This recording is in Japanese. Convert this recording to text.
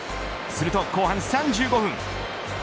すると後半３５分。